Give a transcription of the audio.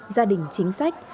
gia đình chính sách